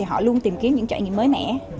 họ luôn tìm kiếm những trải nghiệm mới mẻ